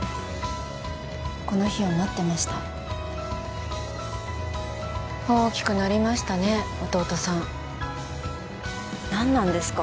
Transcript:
この日を待ってました大きくなりましたね弟さん何なんですか？